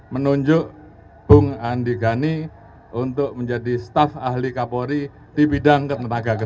menunjuk bung andi gani untuk menjadi staf ahli kapolri di bidang ketenaga kerjaan